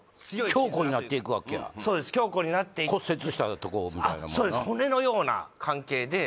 強固になっていくわけやそうです強固になって骨折したとこみたいなもんそうです